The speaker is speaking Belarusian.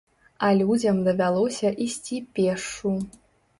А людзям давялося ісці пешшу.